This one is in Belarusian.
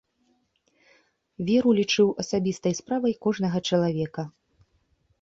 Веру лічыў асабістай справай кожнага чалавека.